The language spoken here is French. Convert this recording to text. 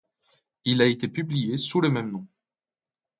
Il a été publié sous le même nom.